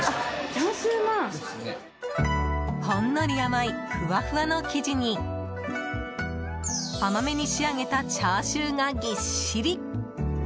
ほんのり甘いふわふわの生地に甘めに仕上げたチャーシューがぎっしり。